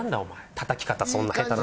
たたき方そんな下手な。